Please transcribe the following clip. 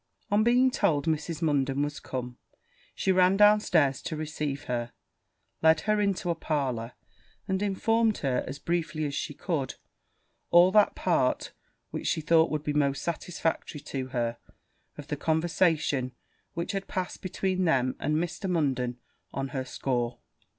On being told that Mrs. Munden was come, she ran down stairs to receive her, led her into a parlour, and informed her, as briefly as she could, all that part which she thought would be most satisfactory to her, of the conversation which had passed between them and Mr. Munden on her score.